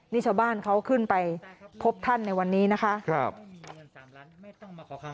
นี่ชาวบ้านเขาขึ้นไปพบท่านในวันนี้นะคะ